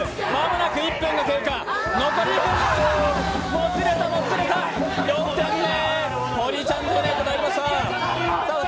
もつれた、もつれた、４点目。